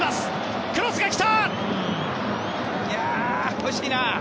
惜しいな！